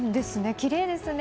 きれいですね。